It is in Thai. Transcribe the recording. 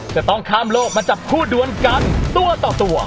จะต้องฝ่างให้โลกมาจากผู้ดุ้นกันตัวต่อตัว